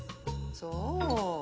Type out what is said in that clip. そう。